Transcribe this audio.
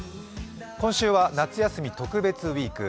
今週は夏休み特別ウイーク。